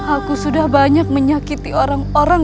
aku sudah banyak menyakiti orang orang